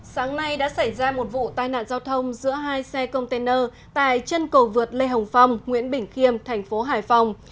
sáng nay đã xảy ra một vụ tai nạn giao thông giữa hai xe container tại chân cầu vượt lê hồng phong nguyễn bình khiêm thành phố hải phòng